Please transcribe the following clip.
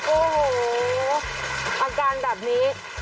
โอ้โหอาการแบบนี้